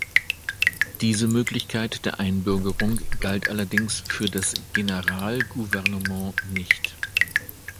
Diese Möglichkeit der Einbürgerung galt allerdings für das „Generalgouvernement“ nicht.